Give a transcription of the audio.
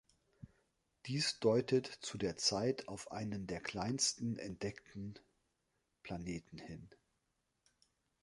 Dies deutet zu der Zeit auf einen der kleinsten entdeckten Planeten hin.